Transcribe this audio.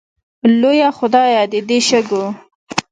لویه خدایه د دې شګو